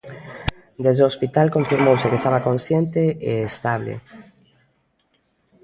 Desde o hospital confirmouse que estaba consciente e estable.